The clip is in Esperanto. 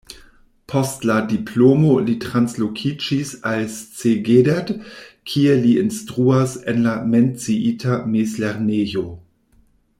Post la diplomo li translokiĝis al Szeged, kie li instruas en la menciita mezlernejo.